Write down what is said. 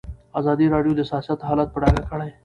ازادي راډیو د سیاست حالت په ډاګه کړی.